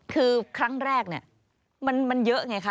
คือครั้งแรกเนี่ยมันเยอะไงคะ